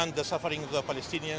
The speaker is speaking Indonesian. dan penderitaan palestina